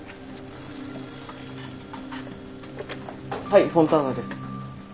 ☎はいフォンターナです。